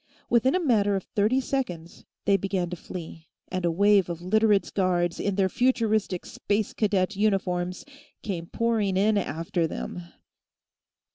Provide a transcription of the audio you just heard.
Within a matter of thirty seconds, they began to flee, and a wave of Literates' Guards, in their futuristic "space cadet" uniforms, came pouring in after them.